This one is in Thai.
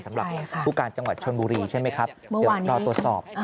สำหรับผู้การจังหวัดชนบุรีใช่ไหมครับเดี๋ยวรอตรวจสอบ